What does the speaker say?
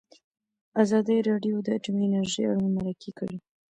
ازادي راډیو د اټومي انرژي اړوند مرکې کړي.